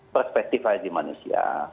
perspektif hlg manusia